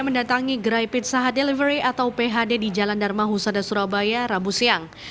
mendatangi gerai pizza hut delivery atau phd di jalan dharma husada surabaya rabu siang